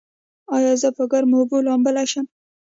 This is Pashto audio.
ایا زه په ګرمو اوبو لامبلی شم؟